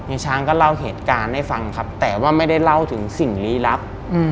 ช้างก็เล่าเหตุการณ์ให้ฟังครับแต่ว่าไม่ได้เล่าถึงสิ่งลี้ลับ